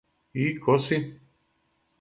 И ко си?